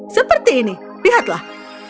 seperti ini lihatlah